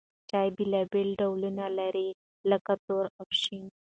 چای بېلابېل ډولونه لري لکه تور او شین.